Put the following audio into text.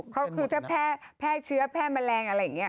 ก็จะแพร่เชื้อแพร่แมลงอะไรอย่างนี้